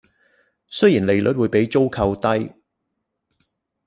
雖然利率會比租購低